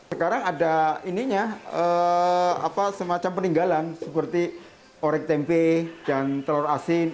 sekarang ada semacam peninggalan seperti orek tempe dan telur asin